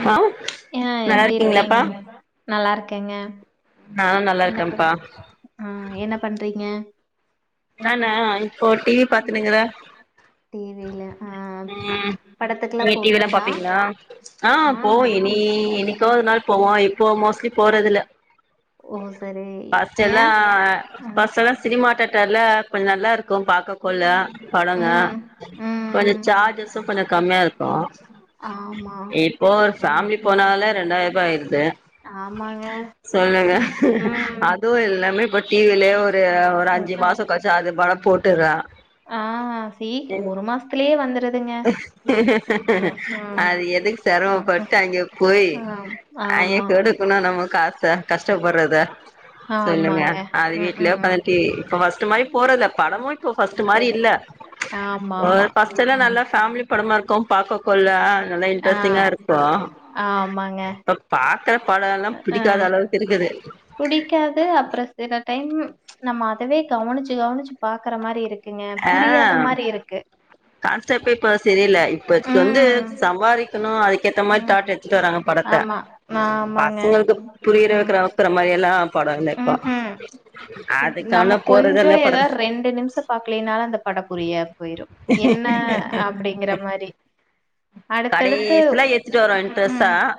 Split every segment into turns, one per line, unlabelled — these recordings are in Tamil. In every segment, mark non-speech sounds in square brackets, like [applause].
ஆ
ஏங்க
நல்லா இருக்கீங்களாப்பா
எப்டிருக்கீங்கங்க நல்லாருக்கேங்க
ஆ நல்லாருக்கேன்ப்பா
ஆ என்ன பண்றீங்க
நானா இப்போ டிவி பாத்துனுங்கிற
டிவில ஆ
ம்
படத்துக்குல்லா
நீங்க டிவில்லா
போவீங்களா
பாப்பீங்களா ஆ போவோ இனி என்னைக்கோ ஒரு நாள் போவோ இப்போ மோஸ்ட்லி போறதுல
ஓ சேரி ஏ
அ கொஞ்சோ நல்லா இருக்கும் பாக்னே கொல்ல பழங்க
ம்
கொஞ்சோ
ம்
சார்ஜஸு கொஞ்சோ கம்மியாருக்கு
ஆமா
இப்போ ஒரு ஃபேமிலி
ம்
போனாலே ரெண்டாயிர ரூபா ஆயிருது
ஆமாங்க
சொல்லுங்க
ம்
அதுவு எல்லாமே இப்ப டிவிலயே ஒரு அஞ்சு மாசோ கச்சா அது படோ போட்டுறா
ஆ சீ ஒரு மாஸ் ம் ம்
அது எதுக்கு
ம், ம்.
செரமப்பட்டு அங்க போய்
ஆம்,
அய்ய
ஆமா
குடுக்கணு நம்ம காச கஷ்டப்பட்றத சொல்லுங்க
ஆமாங்க
அது
ம்
வீட்லே
ம்
உக்காந்து டீ இப்ப ஃபர்ஸ்ட் மாரி போறதுல படமு இப்போ ஃபர்ஸ்ட் மாரி
சரி
இல்ல
ஆமா
ஒரு
ஆமா
ஃபர்ஸ்ட்
ம்
எல்லா
ம்
நல்லா ஃபேமிலி படமா இருக்கு பாக்க கொள்ள நல்லா
ஆ
இன்ட்ரெஸ்ட்டிங்கா இருக்கும்
ஆமாங்க
பாக்கற படம் எல்லா
ஆ
பிடிக்காத அளவுக்கு இருக்குது
புடிக்காது அப்ற சில டைம் நம்ம அதவே கவனிச்சு கவனிச்சு பாக்கற மாரி இருக் குங்க புரியாத மாரி இருக்கு
கான்சப்ட் இப்ப சரியில்ல இப்பக்கு வந்து
ம்.
சம்பாரிக்கணு அதுக்கேத்த மாரி
ம்.
தாட் ட்டுறாங்க படத்த
ஆமா. ஆமாங்க.
பசங்களுக்கு புரியிற
ம்ஹ்ம்.
வக்கற வக்கற மாரி எல்லா படோ இல்ல இப்பா
ம்ஹ்ம்.
அதுக்கான போறது அல்ல பட
ரெண்டு நிமிஷ பாக்லைனால அந்த படம் புரியாது போய்ரு என்ன அப்டிங்கிற மாரி அடுத்தடுத்து
கடைசில எத்துட்டு வரோ இன்ட்ரெஸ்ட்டா
ம்க்கு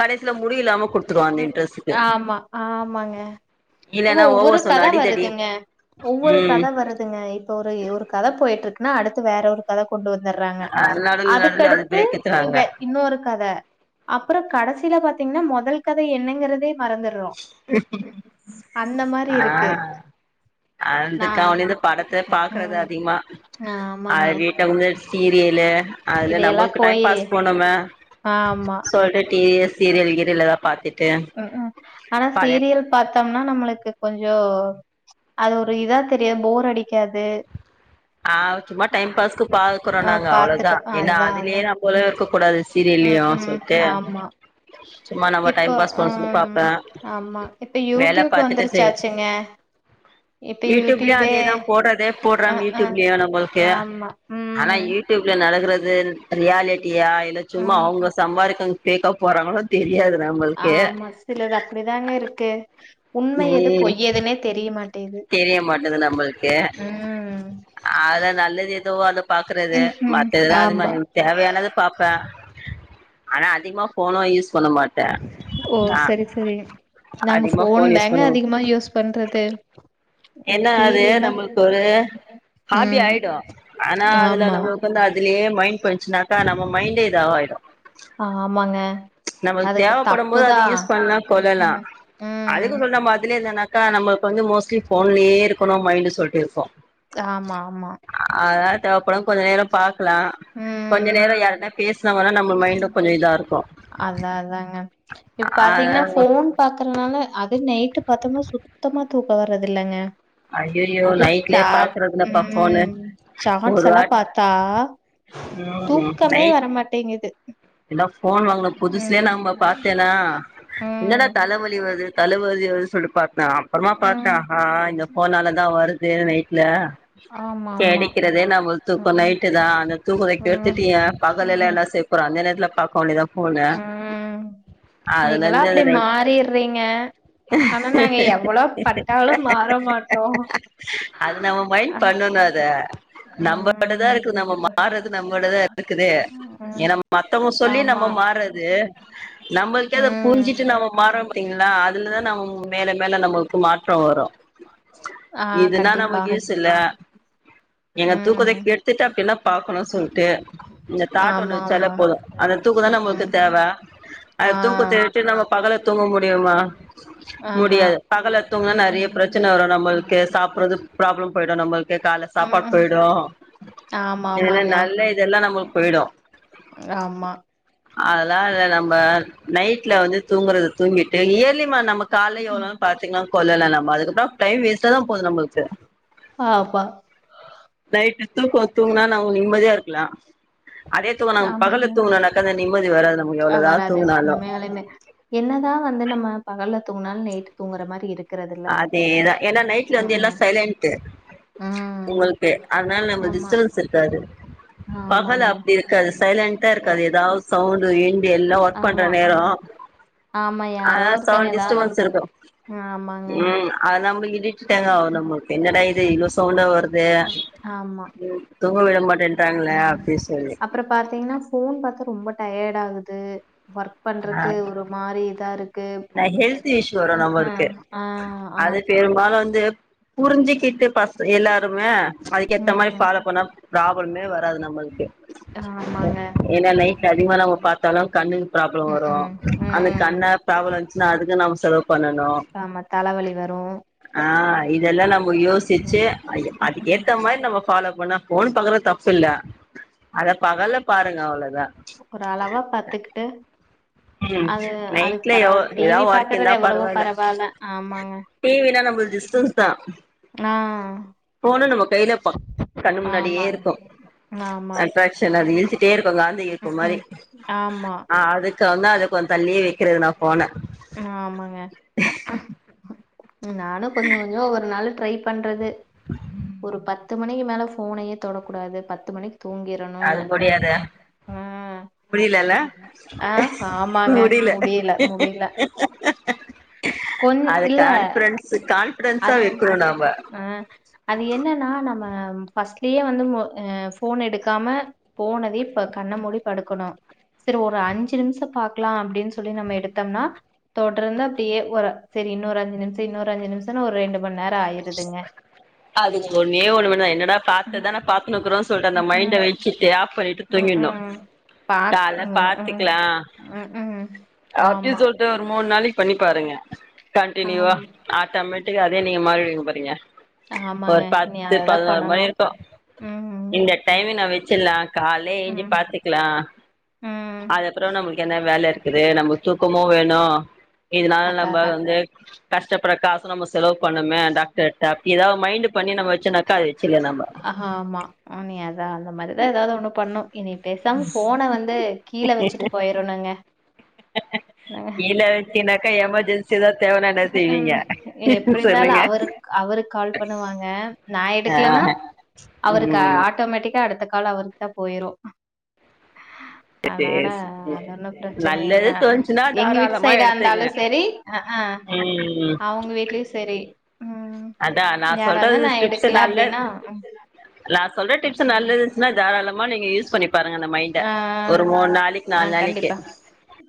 கடைசில முடி இல்லாம குடு
ம் ஆமா ஆமாங்க அப்போ
இல்லன்னா
ஒவ்வொரு
ஓவர் சவுண்ட்
கத
அடிதடி
வருதுங்க ஒவ்வொரு
ம்
கத வருதுங்க ஒரு ஒரு கத போயிட்ருக்குன்னா அடுத்து வேற ஒரு கத கொண்டு வந்தட்றாங்க
அ நடுவுல நடுவுல அது
அதுக்கடுத்து
பிரேக் எத்துறாங்க
இவ இன்னொரு கத அப்றோ கடைசியில பாத்தீங்கன்னா மொதல் கத என்னங்கிறதே மறந்து மாரி
ஆ
இருக்கு நா
அதுக்காவன்டியே இந்த படத்த பாக்குறது
ம்
அதிகமா அ
ஆமாங்க
வீட்ட வந்து சீரியலு அதுல
இதையெல்லா
நம்மளுக் டைம்
போயி
பாஸ் போனுமே
ஆமா
டி வி சீரியல் கீரியல் எதா பாத்துட்
ம்கு ஆனா சீரியல் பாத்தம்னா நம்மளுக்கு கொஞ்சோ அது ஒரு இதா தெரியா போர் அடிக்காது
ஆ சும்மா டைம் பாஸ்க்கு பாக்குறோ
ஆ
நாங்க அவ்ளதா
பாத்துட்டு
ஏன்னா
அதா
அதுலயே
அதா
நம்பளு இருக்க கூடாது
ம்
சீரியல்யு
ம்
சொல்ட்டு
ஆமா
சும்மா நம்ம
இப்போ
டைம் பாஸ்
அ
பண்ண சொல்லி
ம்
பாப்பே
ஆமா இப்ப
வேல
யூடியூப்
பாத்துட்டு செய்
வந்துருச்சாச்சுங்க இப்ப
யூடியூப்லயு
யூடியூபே
அதேதா போடுறதே போடுறா
ஆ ஆ
யூடியூப்லயு
ஆமா ம்
[unintelligible] நடக்றது ரியாலிட்டியா இல்ல சும்மா
ம்
அவுங்க சம்பாரிக்கங் ஃபேக்கா போறாங்களோ தெரியாது நம்மளுக்கு
ஆமா சிலது அப்டிதாங்க இருக்கு உண்ம எது
ம்
பொய் எதுன்னே தெரியமாட்
தெரிய மாட்டுது நம்பள்க்கே
ம்
அத நல்லது எதோ அத பாக்கறது
ம் ம்
மத்ததுஎதா அதுமா
ஆமா
தேவயானத பாப்ப ஆனா அதிகமாக ஃபோனு யூஸ் பண்ண மாட்
ஓ சரி சரி நாங்க
அதிகமா
ஃபோன்
யூஸ்
தாங்க
பண்ணுவோ
அதிகமா யூஸ் பண்றது
ஏன்னா அது
டிவி எல்லா
நம்மளுக்கு ஒரு ஹாபி
ம்
ஆய்டு ஆனா அதுல
ஆமா
நம்மள்க்கு வந்து அதுலயே மைண்ட் போய்ச்னா தா நம்ம மைண்டே இதாவாய்டு
ஆமாங்க
நமக்
அதுக்கு
தேவப்படும்போது
தப்புதா
அத யூஸ் பண்னா போதா
ம்
தா
ம் ம்
அதுக்கு சொன்ன மாத்துலே இருந்தனாக்கா நம்ம இப்ப வந்து மோஸ்ட்லி
ம்
ஃபோன்லயே இருக்கணு மைண்டு சொல்ட்டிருக்கு
ஆமா ஆமா
அ அதனால தேவப்படு கொஞ்ச நேரோ பாக்கலா கொஞ்ச
ம்
நேரோ யார்ட்னா பேஸ்னா கூட நம்ம மைண்டு கொஞ்சோ இதா இருக்கு
அதா அதாங்க இப் பாத்தீங்னா
அதனால
ஃபோன் ஃபோன் பாக்கறனால அது நைட்டு பாத்தம்னா சுத்தமா தூக்கோ வரதில்லங்க
ஐயையோ
அது
நைட்லயே
சாட்
பாக்குறதுலப்பா ஃபோனு
ம்
ஒரு
சாட்ஸ் எல்லா
வாட்
பாத்தா
ம் ம் நைட்
கோ வரமாட்டேங்கிது
இந்த ஃபோன் வாங்ன புதுசே நம்ப பாத்தேனா என்னடா
ம்
தலவலி வர்து தலவலி வர்து சொல்ட்டு பாத்தா அப்றமா பாத்தா
ம்
ஆ இந்த ஃபோனாலதா வரு து நைட்ல
ஆமா ஆமா
கெடைக்கிறதே நம்மள்க் தூக்கோ நைட்டு தா அந்த தூக்கத்த
ம்
கெடுத்துட்டு ஏ
ம்
பகலுலெல்லா செ ப்றோ அந்த நேரத்துல பாக்க வேண்டிதா
ம்
அதுல
நீங்கல்லா அப்டே
இருந்து
மாறிர்றீங்க ஆனா நாங்க எவ்ளோ பட்டாலு மாற மாட்டோ
த நம்பகிட்ட தா
ம்
இருக்குது நம்ம மாறர்து நம்மட்ட தா இருக்குது
ம்
ஏனா மத் மத்தவங்க சொல்லி
ஆமா
நம்ம மாறது நம்மள்க்கே அத
ம்
புரிஞ்சிட்டு நம்ம மார்றோ பாத்தீங்களா அதுலதா நம்ம மேல மேல நமக் கு மாற்றம் வரு
ஆ
இதுன்னா
கண்டிப்பா
நம்மள்க் யூஸ் இல்ல எங்க தூக்கத்த
ம்
கெடுத்துட்டு அப்டில்லா பாக்கணு சொல்ட்டு இந்த தாட் ஒன்னு
ஆமா
வச்சாலே
ஆமா
போது அந்த தூக்கோ தா
ம்
நம்மள்க்கு
ம்
தேவ அந்த
ஆ
தூக்கத்த விட்டு நம்ம பகல்ல தூங்க முடியுமா
ஆ ஆ
பகல்ல தூங்னா நெறைய பிரச்சன வரு நம்மள்க்கு சாப்பட்றது ப்ராப்ளம் போய்டு நம்மள்க்கு கால்ல சா ப்பாட்
ம்
போய்டு
ஆமா
ஏனா
ஆமாங்க
நல்ல இதெல்லா நம்மள்க் போய்டு
ஆமா
அதெல்லா இல்ல நம்ப நைட்ல வந்து தூங்கறது தூங்கிட்டு இயர்லிமா நம்ம கால்லா எவ்ள் நேரோ பாத்தீங்னா கொல்லலா நம்ம அதுக்கப்றோ டைம் வேஸ்ட்டா தா போது நம்மள்க்கு
ஆப்பா
நைட்டு தூக்கோ தூங்னா நம்ம நிம்மதியா இருக்கலா அதே தூங்குனோ பகல்ல
ஆமாங்க
தூங்குனோனாக்கா அந்த நிம்மதி வராது நமக்கு எவ்ளோதா தூங்குனாலு
லைமே என்னதா வந்து நம்ம பகல்ல தூங்குனால் நைட்டு தூங்கற மாரி இருக்
அதேதா ஏனா நைட்ல வந்து எல்லா சைலண்ட்டு
ம்.
உங்கள்க்கு அதனால் நம்மள்க்
ஆமா.
டிஸ்டபன்ஸ் இருக்காது பகல்ல
ஆமாங்க.
அப்டி இருக்காது சைலண்ட்டா
எ
இருக்காது எதாவ் சவுண்டு கிவுண்டு எல்லா ஒர்க் பண்ற
ஆமா.
நேரோ
ஆமா
ஆ
யாரோ ஒருத்தங்க
சவுண்ட்
எதாவ்து ஒன்னு
டிஸ்டபன்ஸ்
பண்
இருக்கு
ஆமா
ம் அது நம்மள்க் இடிட்டுடேங்காவு நம்மள்க்கு என்னடா இது இவ்ளோ சவுண்டா வருது
ம். ஆமா.
ம் தூங்க விட மாட்டேன்றாங்களே அப்டி சொல்லி
அப்பறோ பாத்தீங்ன்னா ஃபோன் பாத்தா ரொம்ப டயடாகுது ஒர்க்
ஆ
பண்றக்கு ஒரு மாரி இதா இருக்கு
நா ஹெல்த் இஷ்யூ வரு
ம் ம்
நம்மளுக்கு
ஆ
அது
ஆமா
பெரும்பாலு வந்து புருஞ்சுக்கிட்டு பச எல்லாருங்க அதுக்கு ஏத்த மாரி
ம்.
ஃபாலோ பண்ணா ப்ராப்ளமே வராது நம்மளுக்கு
ஆமாங்க.
ஏனா நைட்ல அதிகமா நம்ம பாத்தாலு கண்ணுக்கு ப்ராப்ளோ வரு
ம்ஹ்ம். ம்.
அந்த
ம்.
கண்ண ப்ராப்ளம் இன்சுனா அதுக்கு நம்ம செலவு பண்ணணு
ஆமா தலவலி வரு
ஆ இதெல்லா நம்ப யோசிச்சு அய்ய
ம்ஹ்ம்.
அதுக்கேத்த மாரி நம்ம ஃபாலோ பண்ணா ஃபோன் பாக்கறது தப்பு இல்ல அத பகல்ல பாருங்க அவ்வளதா
ஒரு அளவா பாத்துக்கிட்டு
ம்
அது அதுக்கு
நைட்ல எ
பரவல டி
ஏதா
வி
ஒர்க்
பாக்கறது எவ்வளவோ பரவால்ல ஆமாங்க
டி வினா நம்பளது டிஸ்டன்ஸ் தா
ஆ
ஃபோனு நம்ம கைல ப கண்ணு முன்னாடியே
ஆமாங்க
இருக்கு
ஆமா
அட்ராக்சன் அது இழுத்துட்டே இருக்கு காந்த
ம்
இழுப்புமாரி
ம் ஆமா
ஆ அது இக்கவுந்தா அது கொஞ்சோ தள்ளியே வெக்கிறது நா ஃபோன
ஆமங்க நானு கொஞ்சோ கொஞ்சோ ஒரு நாள் ட்ரை பண்றது ஒரு பத்து மணிக்கி மேல ஃபோனயே தொடக்கூடாது பத்து மணிக்கி தூங்கிரு
அது முடியாதே
ம் ஆ ஆமாங்க முடியல முடில கொஞ் இல்ல
ஃப்ரெண்ட்சு கான்ஃபிடெண்ட்ஸா வைக்ரோ நாம்ப
அ அது என்னன்னா நம்ம ஃபஸ்ட்லயே வந்து மோ அ ஃபோன எடுக்காம போனதே இப்ப கண்ண மூடி படுக்கணு செரி ஒரு அஞ்சு நிமிஷோ பாக்கலா அப்டின் சொல்லி நம்ம எடுத்தம்னா தொடர்ந்து அப்டியே ஒரு சரி இன்னோரு அஞ்சு நிமிஷம் இன்னோரு அஞ்சு நிமிஷம்னு ஒரு ரெண்டு மண் நேரோ ஆயீருதுங்க
அதுக்கு ஒண்ணே ஒண்ணு மட்டுந்தா என்னடா பாத்ததான பாத்துனுகுறோ சொல்ட்டு அந்த
ம்,
மைண்ட
ம்,
வச்சுட்டு ஆஃப் பண்ணிட்டு
ம்.
தூங்கிற்னு
ம். பாக்
காலேல
ம், ம்,
பாத்துக்கலா
ம், ம்.
அப்டி
ஆமா,
சொல்ட்டு ஒரு மூணு நாளைக் பண்ணி பாருங்க கண்டினியூவா
ஆம்
ஆட்டமேடிக்க அதே நீங்க மாறிவிடுங்க பாருங்க
ஆமாங்க.
ஒரு
இனி
பத்து
அததான்
பதனோர் மணி
பண்ணணும்.
இருக்கு
ம்,
இந்த டைம் நா வச்சில்லா காலேல ஏஞ்சி
ம்,
பாத்துக்கலா
ம்.
அத அப்பறோ நம்மளுக்கு என்ன வேல இருக்குது நம்ம தூக்கமு வேணு இதுனால
அதான்
நம்ப
அதான்.
வந்து கஷ்டப்பற்ற காச நம்ம செலவு பண்ணமே அந்த க டாப் ஏதாவது மைண்ட்டு பண்ணி நம்ம வச்சுனாக்க அது வச்சுல்லா நாம்ப
ஆமா நீ அதா அந்த மாரிதா ஏதாவது ஒண்ணு பண்ணு இனி பேசாம ஃபோன வந்து கீழ வச்சுட்டு போயரனுங்க
க்ககக கீழ வச்சினாக்கா எமர்ஜன்சி எதா தேவனா என்னா செய்வீங்க
ம். எப்டி
சொல்லுங்க
இருந்தாலும் அவருக்கு அவருக்கு கால் பண்ணுவாங்க நா
ஆ
எடுக்கலன்னா அவருக்கு ஆட்
ம்
ஆட்டோமேட்டிக்கா அடுத்த கால் அவருக்கு தா போயிரு அதுனால
சேர் சேரி
அது ஒன்னு பிரச்சன இல்ல
நல்லது தோணுச்சுன்னா
எங்க வீட்
தாராளமா
சைடா இருந்தாலு
எடுத்துக்குங்க
சரி ஆ
ம்
அவுங்க வீட்லயு சரி ம்.
அதா நா
யாராவது
சொல்றது
நான்
டிப்ஸு
எடுக்கல
நல்லது
அப்டின்னா
நா சொல்ற
ம்
டிப்ஸ்
ம்.
நல்லதுனா தாராளமா நீங்க யூஸ் பண்ணி பாருங்க அந்த மைண்ட
ஆ
ஒரு மூண் நாளிக்கி
ஆ
நால் நாளிக்கி
கண்டிப்பா.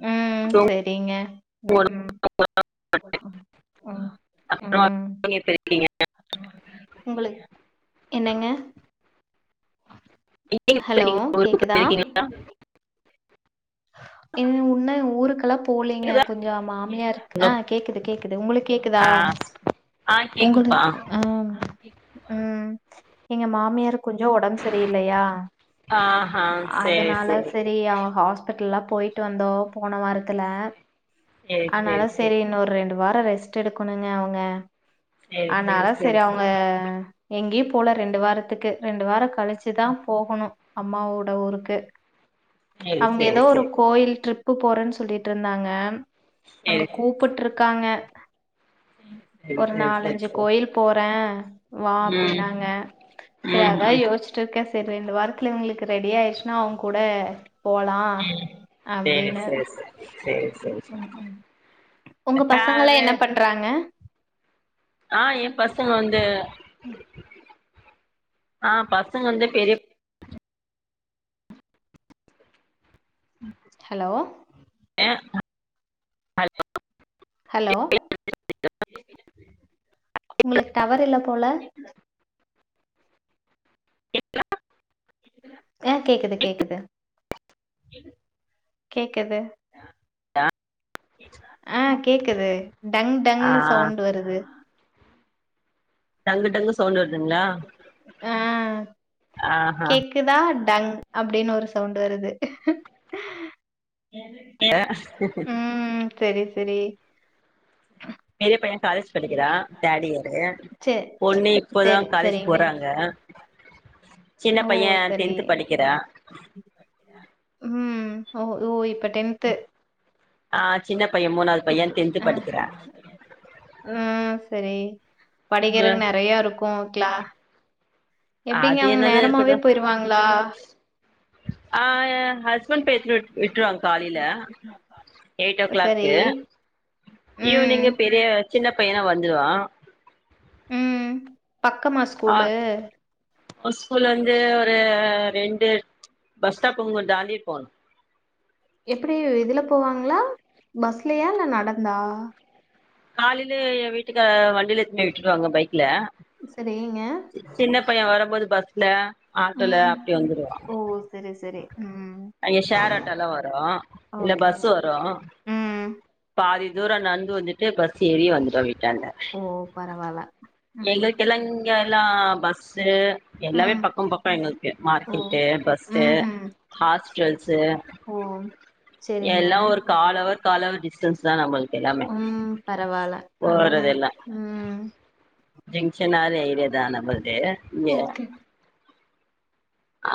ம் செரிங்க ம்
[inaudible]
[unintelligible]
அப்ரோ [inaudible]
உங்களுக் என்னங்க ஹலோ
[inaudible]
கேக்குதா?
போய்ருக்கிங்ளா
என் உன்ன ஊருக்லா போலீங்க
கேக்குதா
கொஞ்சோ மாமியார் ஆ கேக்து கேக்து உங்களுக் கேக்குதா
ஆ ஆ
உங்கள்து
கேக்குதுப்பா
ம் ம் எங்க மாமியாருக் கொஞ்சோ உடம் சரியில்லயா
ஆஹா சேரி
அதனால
சேரி
சரி ஆ ஹாஸ் ல்லா போயிட்டு வந்தோ போன வாரத்துல
ஆ சேரி
அனால
சேரி
சரி இன்னோ ரெண்டு வ்வற ரெஸ்ட் எடுக்கொணுங்க அவங்க
சேரி
ஆனால
சேரி சேரி
சரி அவங்க எங்யும் போல ரெண்டு வாரத்துக்கு ரெண்டு வார கழிச்சு தான் போகணு அம்மாவோட ஊருக்கு
சேரி
அவங்க
சேரி
ஏதோ
சேரி
ஒரு கோயில் ட்ரிப் போறேன்னு சொல்லிட்ருந்தாங்க அங்க
சேரி
கூப்புட்டுருக்காங்க
சேரி சேரி
ஒரு
சேரி சேரி
நாலஞ்சு
சேரி
கோயில் போறே வா
ம்
அப்டினாங்க சரி
ம்
அதா
ம்
யோசிச்சிட்டு இருக்கே சரி ரெண்டு வாரத்துல இவங்களுக்கு ரெடி ஆயிடுச்சுன்னா அவங் கூட போலா
ம் சேர் சேர் சேர் சேரி
வணக்கம் உங்க
சேரி
பசங்ளா
வே
என்ன பண்றாங்க
ஆ என் பசங்க வந்து ஆ பசங்க வந்து பெரிய ம்
ஹலோ
ஏ
ஹலோ உங்களுக்கு டவர் இல்ல போல
கேக்குதா
ஏ கேக்குது கேக்குது கேக்குது ஆ கேக்குது டங்
ஆ
டங்னு சவுண்ட் வருது
டங்கு டங்கு சவுண்ட் வருதுங்களா
ஆ
ஆஹ
கேக்குதா டங் அப்டின்னு ஒரு சவுண்ட் வருது
[inaudible]
ம் செரி செரி
பெரிய பையே காலேஜ் படிக்கிறா தேட் இயரு
சே
பொண்ணு இப்போதா
சரி
காலேஜ்
சரிங்க
போறாங்க சின்ன
ஓ
பையே
சரி
டென்த் படிக்கிரா
ம் ஓ ஓ இப்ப டென்த்து
ஆ சின்ன பையே மூணாவது பையன் டென்த்து படிக்கிறா
ம் சரி
அ
படிக்கறக்கு நெறைய இருக்கு கிளா
அது என்னதோ இருக்கட்டோ
போயிருவாங்களா
ஆ ஹஸ்பண்ட் [unintelligible] விட்டுருவாங் காலைல எயிட் ஓ
சரி
கிளாக்கு
ம்
ஈவ்னிங் பெரிய சின்ன பையனா வந்துடுவா
ம் பக்கமா ஸ்கூலு
ஸ்கூல் வந்து ஒரு ரெண்டு பஸ் ஸ்டாப் புங்க தாண்டி போனு
எப்புடி இதுல போவாங்களா பஸ்லயா இல்ல நடந்தா
காலையில என் வீட்டுக்கார் வண்டியில இட்ன்னு போய் விட்டுருவாங்க பைக்ல
சரி ங்க
சின்ன பையன் வரும்போது பஸ்ல ஆட்டோல
ம்
அப்டி வந்துருவா
ஓ சரி சரி ம்
அங்க ஷேர் ஆட்டோல்லா வரோ இல்ல
ஓகே
பஸ் வரோ
ம்
பாதி தூரோ நடந்து வந்துட்டு பஸ் ஏறி வந்துடுவா வீட்டான்ட
ஓ பரவால்ல ம் ம்
எங்களுக்கு எல்லா இங்க எல்லா பஸ்சு எல்லாமே
ம்
பக்கோ பக்கோ எங்களுக்கு
ஓ
மார்க்கெட்டு பஸ்சு
ம்ஹூம்
ஹாஸ்பிடல்சு
ஓ
எல்லா
சரிங்க
ஒரு கால் அவர் கால் அவர் டிஸ்டன்ஸ் தா நம்மளுக்
ம் பரவால்ல ஆனா நா ம்
ஜங்ஷனான இதுதா நம்மள்து இங்க
ஓகே.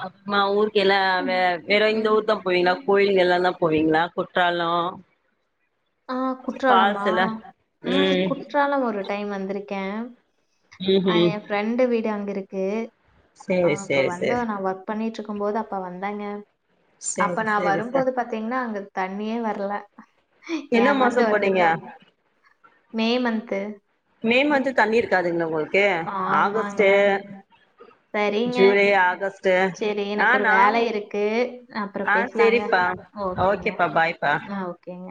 அப் மா ஊருக்கு எல்லா வே வேறு இந்த
ம்.
ஊருத் தா போய்னா கோயிலுக்கு எல்லாந்தா போயிருந்தோ குற்றாலோ
ஆ குற்றாலமா
ஃபால்ஸ் எல்லா
ம் குற்றாலம் வரூ ஒரு டைம் வந்திருக்கே
ம்
அ ஏ
ம்
ஃப்ரெண்ட டு வீடு அங்கு இருக்கு
சேரி
அவங்க
சேரி சேரி
வந்தா நா ஒர்க் பண்ணிட்டு இருக்கூ போது அப்ப வந்தாங்க
சேரி
அப்ப நா
சேரி சார்
வரும்போது பாத்தீங்கனா அங்க தண்ணியே வர்ல
என்ன மாசோ
ஏமாந்து
போனீங்க
வந்துடோ மே மன்து
மே மாசோ தண்ணி இருக்காதுங்களா உங்களுக்கு
ஆமாங்க.
ஆகஸ்டு
சரிங்க.
ஜூலை ஆகஸ்டு
சரி
ஆ
எனக்கு ஒரு
நாங்க
வேலை இருக்கு. அப்புறம்
ஆ
பேசலாங்க.
சரிப்பா
ஓகேங்க.
ஓகேப்பா பாய்ப்பா
ஆ ஓகேங்க.